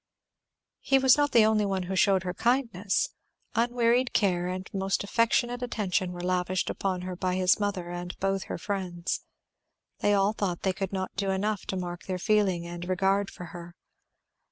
He was not the only one who shewed her kindness. Unwearied care and most affectionate attention were lavished upon her by his mother and both her friends; they all thought they could not do enough to mark their feeling and regard for her.